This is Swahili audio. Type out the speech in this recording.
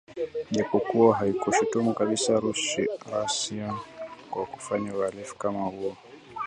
japokuwa hakuishutumu kabisa Russia kwa kufanya uhalifu kama huo